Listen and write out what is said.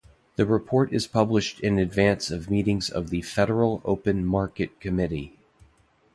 The report is published in advance of meetings of the Federal Open Market Committee.